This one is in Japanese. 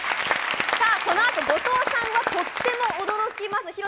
さあ、このあと後藤さんはとっても驚きます。